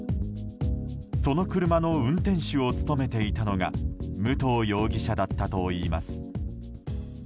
その車の運転手を務めていたのが武藤容疑者だったといいます。